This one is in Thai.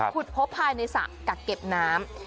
ขุดพบภายในศักดิ์เก็บน้ำ